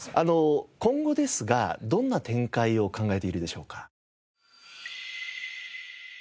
今後ですがどんな展開を考えているでしょうか？